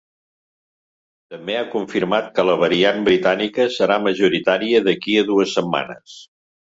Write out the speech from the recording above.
També ha confirmat que la variant britànica serà majoritària d’aquí a dues setmanes.